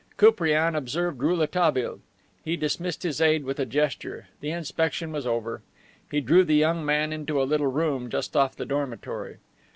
Koupriane observed Rouletabille. He dismissed his aide with a gesture. The inspection was over. He drew the young man into a little room just off the dormitory.